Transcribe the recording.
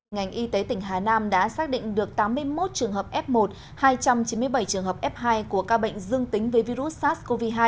ngành y tế tỉnh hà nam đã xác định được tám mươi một trường hợp f một hai trăm chín mươi bảy trường hợp f hai của ca bệnh dương tính với virus sars cov hai